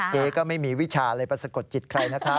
เจ๊ก็ไม่มีวิชาเลยมาสะกดจิตใครนะคะ